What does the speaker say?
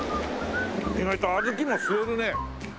意外と小豆も吸えるね。